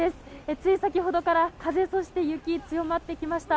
つい先ほどから風そして雪が強まってきました。